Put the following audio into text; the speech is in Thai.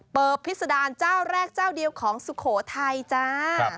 พิษดารเจ้าแรกเจ้าเดียวของสุโขทัยจ้า